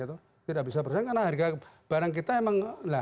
tidak bisa bersaing karena harga barang kita emang